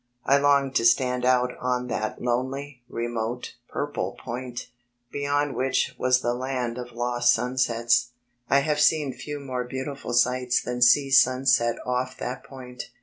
I longed to stand out on that lonely, remote, purple point, beyond which was the land of lost sunsets. I have seen few more beautiful sights than sea sunset off that point.